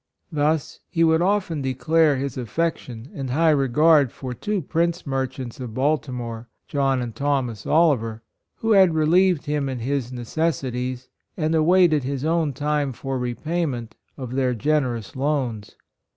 Thus he would often declare his affection and high regard for two prince merchants of Baltimore, John and Thomas Oli ver, who had relieved him in his necessities, and awaited his own time for re payment of their gene rous loans.